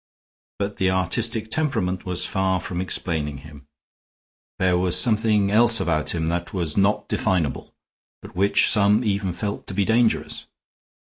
But the artistic temperament was far from explaining him; there was something else about him that was not definable, but which some even felt to be dangerous.